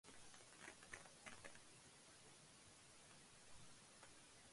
تعلیم اور صحت کا نظام معیاری اور بالکل مفت تھا۔